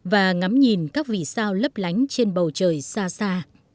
và ngắm nhìn các vị sao lấp lánh trên bầu trời xa